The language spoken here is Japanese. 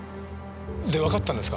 でわかったんですか？